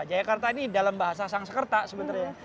jakarta ini dalam bahasa sangsekerta sebenarnya